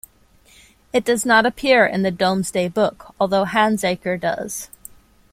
It does not appear in the "Domesday Book" although Handsacre does.